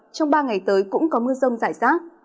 trong ba ngày tới cũng có mưa rông rải rác